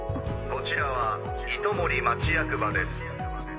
こちらは糸守町役場です。